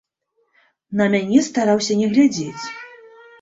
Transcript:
На мяне стараўся не глядзець.